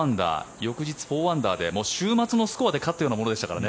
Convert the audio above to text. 翌日４アンダーで週末もスコアで勝ったようなものですからね。